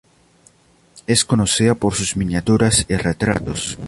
Es conocida por sus miniaturas y retratos.